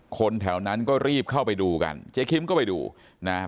คนแถวนั้นก็รีบเข้าไปดูกันเจ๊คิมก็ไปดูนะครับ